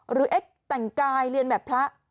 เอ็กซ์แต่งกายเรียนแบบพระ